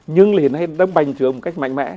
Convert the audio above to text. nhưng hiện nay đang bành trướng một cách mạnh mẽ